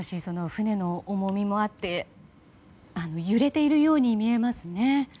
船の重みもあって揺れているように見えますね。